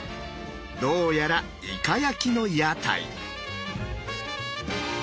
どうやらイカ焼きの屋台。